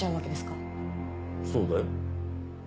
そうだよ。